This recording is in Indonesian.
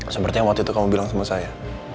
seperti yang waktu itu kamu bilang sama saya